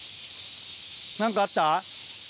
何かあった？